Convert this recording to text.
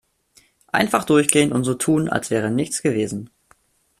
Einfach durchgehen und so tun, als wäre nichts gewesen!